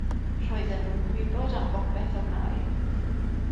Roedden nhw'n gwybod am bopeth a wnâi.